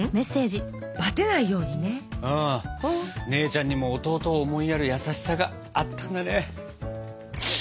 「バテないようにね！」。姉ちゃんにも弟を思いやる優しさがあったんだね。